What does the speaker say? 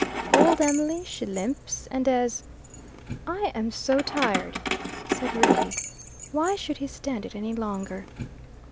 "Old Em'ly she limps, And as " "I am so tired," said Rickie. Why should he stand it any longer?